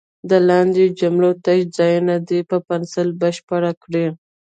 د لاندې جملو تش ځایونه دې په پنسل بشپړ کړي.